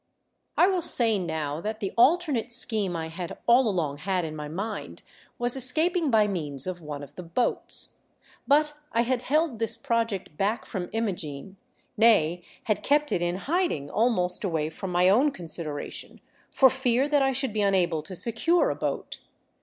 I WILL say now that the alternate scheme I had all along had in my mind was escaping by means of one of the boats. But I had held this project back from Imogene ; nay, had kept it in hiding almost away from my own consideration for fear that I should be unable to secure a boat.